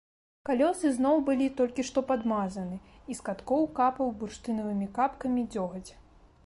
Калёсы зноў былі толькі што падмазаны, і з каткоў капаў бурштынавымі капкамі дзёгаць.